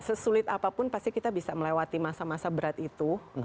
sesulit apapun pasti kita bisa melewati masa masa berat itu